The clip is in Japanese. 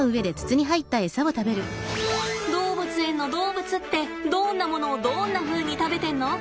動物園の動物ってどんなものをどんなふうに食べてんの？